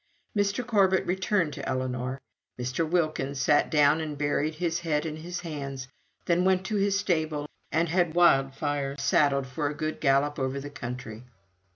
Mr. Corbet returned to Ellinor. Mr. Wilkins sat down and buried his head in his hands, then went to his stable, and had Wildfire saddled for a good gallop over the country.